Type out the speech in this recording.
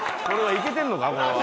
「これはいけてんのか？」